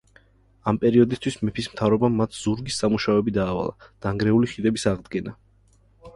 ამ პერიოდისთვის მეფის მთავრობამ მათ ზურგის სამუშაოები დაავალა, დანგრეული ხიდების აღდგენა.